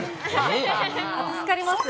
助かります。